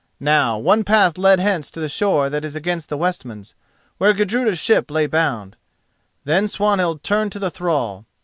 Now one path led hence to the shore that is against the Westmans, where Gudruda's ship lay bound. Then Swanhild turned to the thrall.